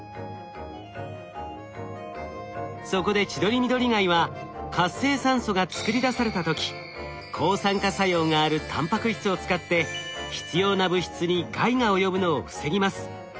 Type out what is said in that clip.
そこでチドリミドリガイは活性酸素が作り出された時抗酸化作用があるタンパク質を使って必要な物質に害が及ぶのを防ぎます。